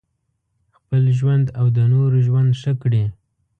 خپل ژوند او د نورو ژوند ښه کړي.